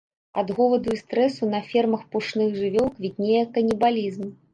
Ад голаду і стрэсу на фермах пушных жывёл квітнее канібалізм.